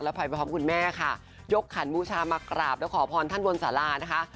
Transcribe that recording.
ไปพร้อมคุณแม่ค่ะยกขันบูชามากราบแล้วขอพรท่านบนสารานะคะ